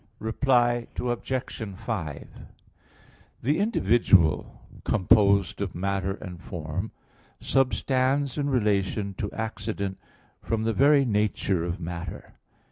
Reply Obj. 5: The individual composed of matter and form substands in relation to accident from the very nature of matter.